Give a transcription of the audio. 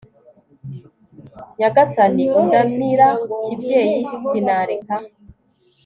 nyagasani undamira kibyeyi sinareka